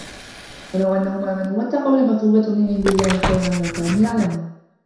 وَلَوْ أَنَّهُمْ آمَنُوا وَاتَّقَوْا لَمَثُوبَةٌ مِنْ عِنْدِ اللَّهِ خَيْرٌ ۖ لَوْ كَانُوا يَعْلَمُونَ